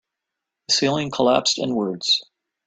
The ceiling collapsed inwards.